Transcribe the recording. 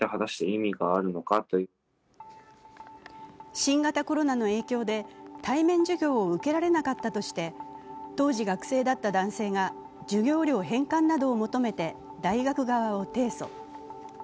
新型コロナの影響で対面授業を受けられなかったとして当時、学生だった男性が授業料返還などを求めて大学側を提訴。